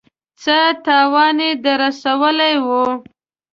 څه تاوان يې در رسولی و.